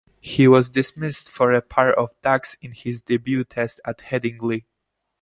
He was dismissed for a pair of ducks in his debut Test at Headingley.